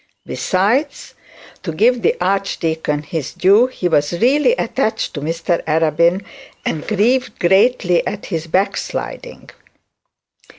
Besides, to give the archdeacon his due, he was really attached to Mr Arabin, and grieved greatly at his backsliding.